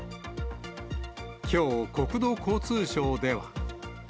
きょう、国土交通省では。